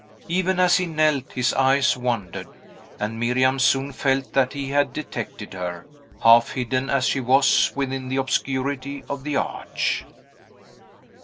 Even as he knelt, his eyes wandered, and Miriam soon felt that he had detected her, half hidden as she was within the obscurity of the arch.